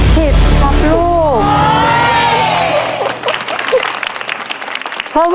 ขอบคุณครับขอบคุณครับขอบคุณครับ